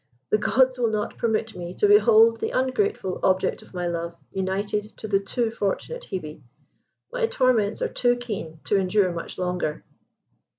"The gods will not permit me to behold the ungrateful object of my love united to the too fortunate Hebe. My torments are too keen to endure much longer."